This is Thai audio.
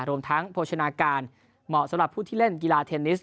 รวมทั้งโภชนาการเหมาะสำหรับผู้ที่เล่นกีฬาเทนนิส